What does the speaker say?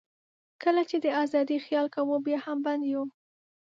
کله چې د آزادۍ خیال کوو، بیا هم بند یو.